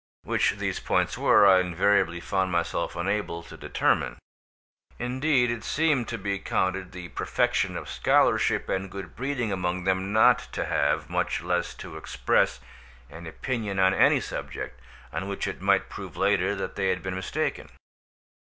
Which these points were, I invariably found myself unable to determine; indeed, it seemed to be counted the perfection of scholarship and good breeding among them not to have—much less to express—an opinion on any subject on which it might prove later that they had been mistaken.